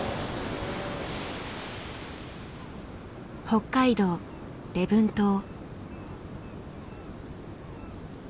北海道・礼文島。